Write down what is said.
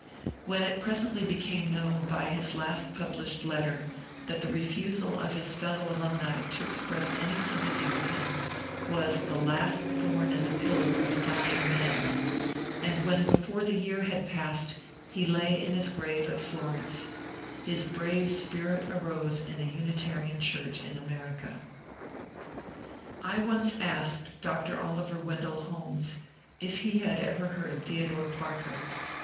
When it presently became known by his last published letter that the refusal of his fellow alumni to express any sympathy with him was the last thorn in the pillow of a dying man, and when before the year had passed he lay in his grave at Florence, his brave spirit arose in the Unitarian Church in America. I once asked Dr. Oliver Wendell Holmes if he had ever heard Theodore Parker.